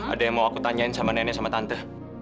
ada yang mau aku tanyain sama nenek sama tante